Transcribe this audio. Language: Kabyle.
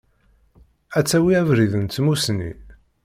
Ad tawi abrid n tmussni.